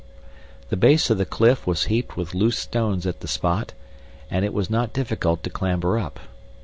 The base of the cliff was heaped with loose stones at the spot, and it was not difficult to clamber up.